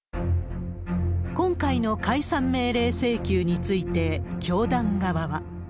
今回の解散命令請求について、教団側は。